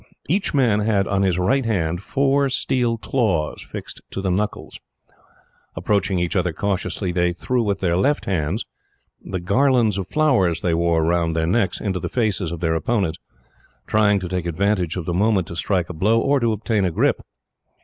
Each man had, on his right hand, four steel claws fixed to the knuckles. Approaching each other cautiously they threw, with their left hands, the garlands of flowers they wore round their necks, into the faces of their opponents, trying to take advantage of the moment to strike a blow, or to obtain a grip.